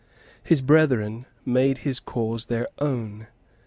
His brethren made his cause their own.